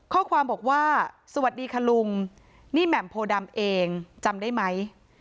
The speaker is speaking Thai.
ข้อความบอกว่าสวัสดีค่ะลุงนี่แหม่มโพดำเองจำได้ไหม